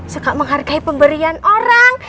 suka menghargai pemberian orang